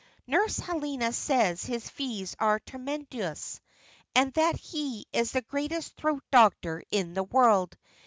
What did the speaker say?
Nurse Helena says his fees are tremendous, and that he is the greatest throat doctor in the world.